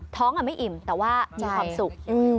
ท้องไม่อิ่มแต่ว่ามีความสุข